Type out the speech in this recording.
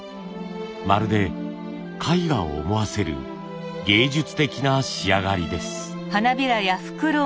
まるで絵画を思わせる芸術的な仕上がりです。